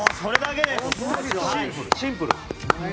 シンプル。